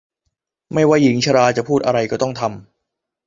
ไม่ว่าหญิงชราจะพูดอะไรก็ต้องทำ